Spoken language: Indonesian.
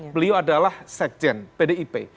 beliau adalah sekjen pdib